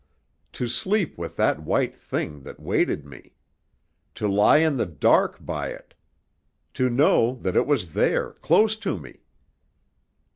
To sleep with that white thing that waited me! To lie in the dark by it! To know that it was there, close to me!